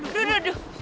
aduh aduh aduh